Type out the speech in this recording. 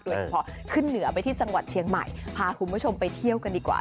ขึ้นเหนือไปที่จังหวัดเชียงใหม่พาคุณผู้ชมไปเที่ยวกันดีกว่า